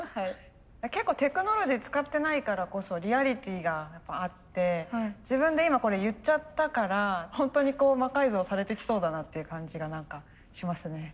結構テクノロジー使ってないからこそリアリティーがあって自分で今これ言っちゃったからホントに魔改造されてきそうだなっていう感じが何かしますね。